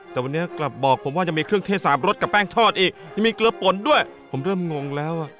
แต่วันนี้กลับบอกผมว่าจะมีเครื่องเทศสามรสกับแป้งทอดอีกยังมีเกลือป่นด้วยผมเริ่มงงแล้วอ่ะ